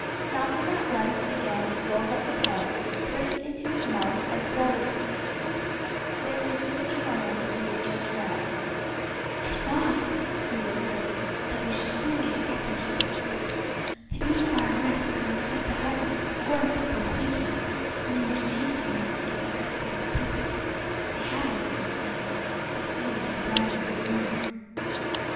Malcolm at once again rolled up the pellet, put it into his mouth and swallowed it, and then whispered to Ronald what he had just read. "I thought," he whispered, "that we should soon get a message of some sort. The news of our arrest will have set the hearts of a score of people quaking, and they would do anything now to get us out from this prison. They have already, you see, succeeded in bribing our warder."